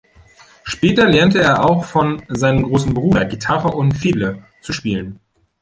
Später lernte er auch von seinem großen Bruder Gitarre und Fiddle zu spielen.